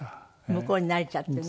向こうに慣れちゃってね。